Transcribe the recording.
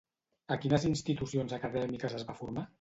A quines institucions acadèmiques es va formar?